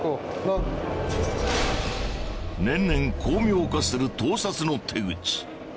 年々巧妙化する盗撮の手口。